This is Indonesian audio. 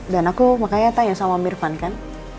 dan aku makanya tanya sama mirvan kan